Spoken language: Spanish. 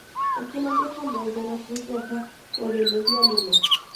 El telón de fondo es de una Cruz Roja o de Media Luna.